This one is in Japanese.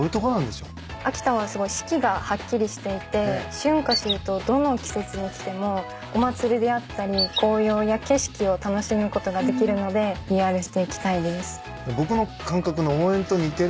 秋田はすごい四季がはっきりしていて春夏秋冬どの季節に来てもお祭りであったり紅葉や景色を楽しむことができるのでＰＲしていきたいです。